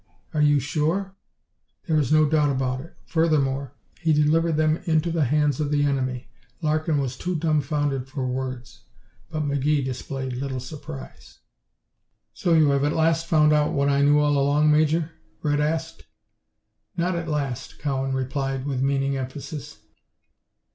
Are you sure?" "There is no doubt about it. Furthermore, he delivered them into the hands of the enemy." Larkin was too dumbfounded for words, but McGee displayed little surprise. "So you have at last found out what I knew all along, Major?" Red asked. "Not at last," Cowan replied, with meaning emphasis.